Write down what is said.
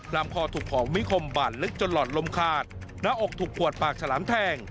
ลำคอถูกของมีคมบาดลึกจนหลอดลมขาดหน้าอกถูกปวดปากฉลามแทง